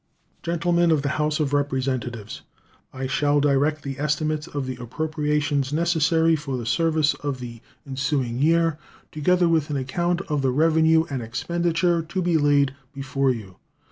Gentlemen of the House of Representatives: I shall direct the estimates of the appropriations necessary for the service of the ensuing year, together with an account of the revenue and expenditure, to be laid before you.